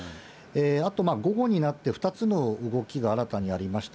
あと、午後になって２つの動きが新たにありました。